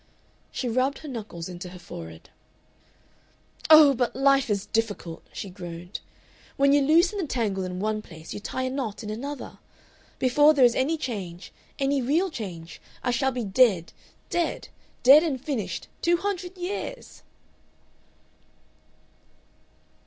She rubbed her knuckles into her forehead. "Oh, but life is difficult!" she groaned. "When you loosen the tangle in one place you tie a knot in another.... Before there is any change, any real change, I shall be dead dead dead and finished two hundred years!..."